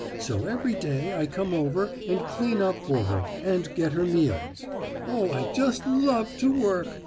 So every day I come over and clean up for her, and get her meals. Oh, I just love to work!"